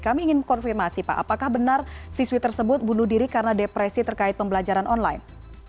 kami ingin konfirmasi pak apakah benar siswi tersebut bunuh diri karena depresi terkait pembelajaran online